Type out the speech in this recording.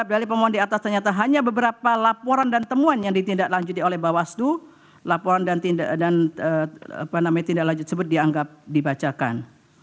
dari pemohon di atas ternyata hanya beberapa laporan dan temuan yang ditindaklanjuti oleh bawaslu laporan dan tindak lanjut sebut dianggap dibacakan